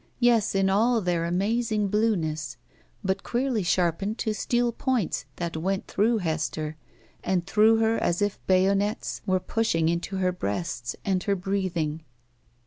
Yes, in all their amazing blueness, but queerly sharpened to steel i)oints that went through Hester and through her as if bayonets were pushing into her breasts and her breathing.